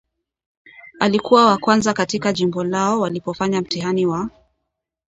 Alikuwa wa kwanza katika jimbo lao walipofanya mtihani wa